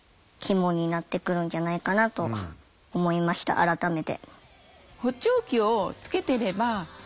改めて。